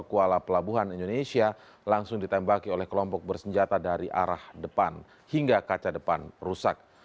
kuala pelabuhan indonesia langsung ditembaki oleh kelompok bersenjata dari arah depan hingga kaca depan rusak